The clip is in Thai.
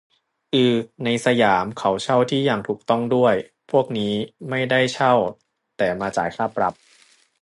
อือ ในสยามเขาเช่าที่อย่างถูกต้องด้วย พวกนี้ไม่ได้เช่าแต่มาจ่ายค่าปรับ